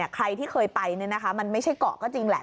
ใครที่เคยไปมันไม่ใช่เกาะก็จริงแหละ